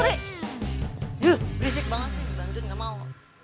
berisik banget sih bikin nganjurin gak mau